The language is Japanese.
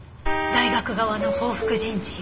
大学側の報復人事？